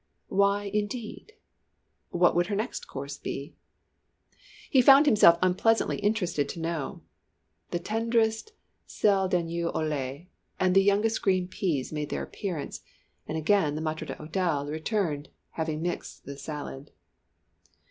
Why, indeed. What would her next course be? He found himself unpleasantly interested to know. The tenderest selle d'agneau au lait and the youngest green peas made their appearance, and again the maître d'hôtel returned, having mixed the salad.